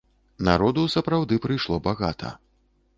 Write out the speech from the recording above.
Народу сапраўды прыйшло багата.